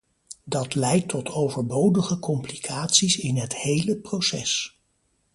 Dat leidt tot overbodige complicaties in het hele proces.